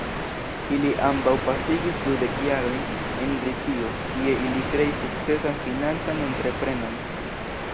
Ili ambaŭ pasigis dudek jarojn en Britio, kie ili kreis sukcesan financan entreprenon.